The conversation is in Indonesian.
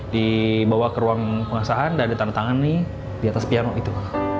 dibawa ke ruang pengesahan dan ditandatangani di atas piano itu